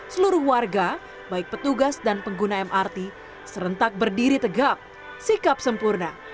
seluruh warga baik petugas dan pengguna mrt serentak berdiri tegap sikap sempurna